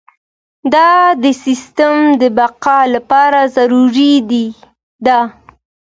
دا د سیستم د بقا لپاره ضروري ده.